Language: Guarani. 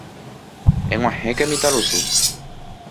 Eg̃uahẽke mitãrusu.